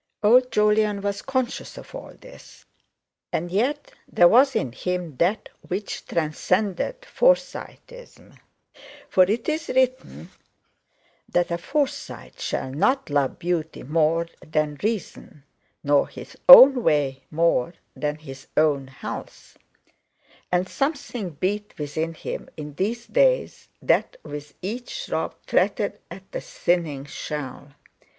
Old Jolyon was conscious of all this, and yet there was in him that which transcended Forsyteism. For it is written that a Forsyte shall not love beauty more than reason; nor his own way more than his own health. And something beat within him in these days that with each throb fretted at the thinning shell.